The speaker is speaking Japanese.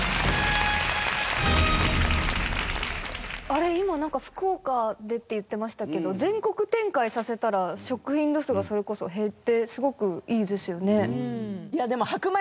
あれ今なんか福岡でって言ってましたけど全国展開させたら食品ロスがそれこそ減ってすごくいいですよね。